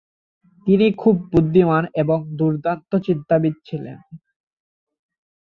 তিনি খুব বুদ্ধিমান এবং দুর্দান্ত চিন্তাবিদ ছিলেন।